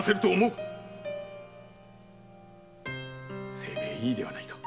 清兵衛いいではないか。